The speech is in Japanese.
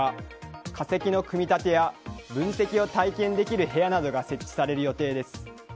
化石の組み立てや分析を体験できる部屋などが設置される予定です。